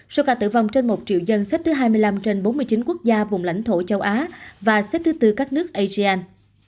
số ca tử vong trên một triệu dân xếp thứ hai mươi năm trên bốn mươi chín quốc gia vùng lãnh thổ châu á và xếp thứ tư các nước asean